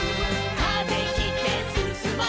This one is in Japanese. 「風切ってすすもう」